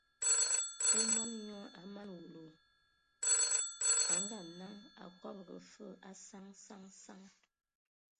E mɔn nyɔ a mana wulu, a ngaa-naŋ, a kɔbɔgɔ fɔɔ fəg a saŋ saŋ saŋ.